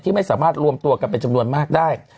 ไม่สามารถรวมตัวกันเป็นจำนวนมากได้